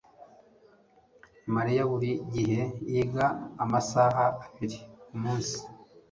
mariya buri gihe yiga amasaha abiri kumunsi